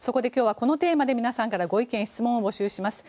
そこで今日はこのテーマで皆さんからご意見・ご質問を募集します。